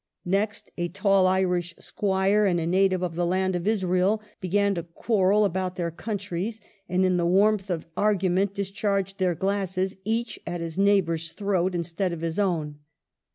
Next a tall Irish squire and a native of the land of Israel began to quarrel about their countries, and in the warmth of argument dis charged their glasses each at his neighbor's throat, instead of his own.